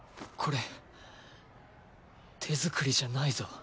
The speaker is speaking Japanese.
これ手作りじゃないぞ。